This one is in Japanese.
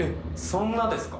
そんなですか？